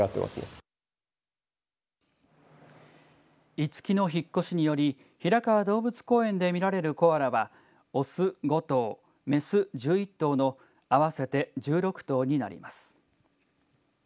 イツキの引っ越しにより平川動物公園で見られるコアラは雄５頭、雌１１頭の合わせて１６頭になります。